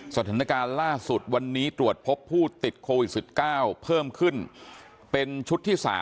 สถานการณ์ล่าสุดวันนี้ตรวจพบผู้ติดโควิด๑๙เพิ่มขึ้นเป็นชุดที่๓